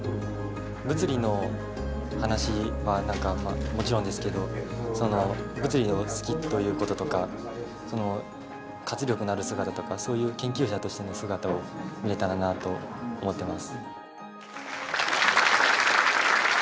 物理の話はもちろんですけど物理を好きということとかその活力のある姿とかそういう研究者としての姿を見れたらなと思ってます。